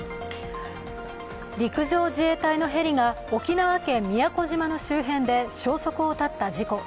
陸上自衛隊のヘリが沖縄県宮古島の周辺で消息を絶った事故。